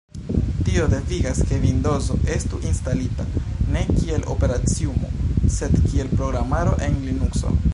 Tio devigas ke Vindozo estu instalita, ne kiel operaciumo, sed kiel programaro en Linukso.